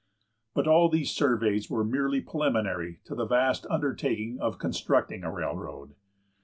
But all these surveys were merely preliminary to the vast undertaking of constructing a railroad.